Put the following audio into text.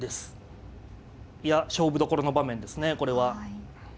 いや勝負どころの場面ですねこれは。